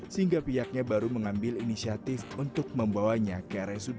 sehingga pihaknya baru mengambil inisiatif untuk membawanya ke rsud